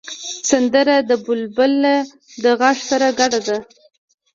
سندره د بلبله له غږ سره ګډه ده